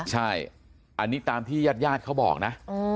ใช่อันนี้ตามที่ญาติเค้าบอกนะ